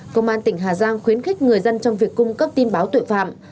công an tỉnh hà giang khuyến khích người dân trong việc cung cấp tin báo tội phạm